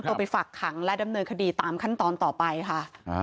ไปฝากขังและดำเนินคดีตามขั้นตอนต่อไปค่ะ